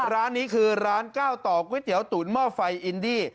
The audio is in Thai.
ร้านนี้คือร้านก้าวต่อก๋วยเตี๋ยวตุ๋นหม้อไฟอินดี้